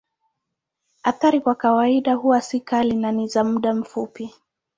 Athari kwa kawaida huwa si kali na ni za muda mfupi.